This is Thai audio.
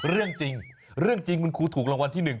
เรื่องจริงเรื่องจริงคุณครูถูกรางวัลที่๑